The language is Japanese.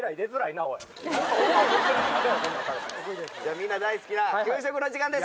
みんな大好きな給食の時間です